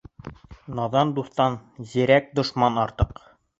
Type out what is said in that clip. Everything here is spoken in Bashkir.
Наҙан дуҫтан зирәк дошман артыҡ.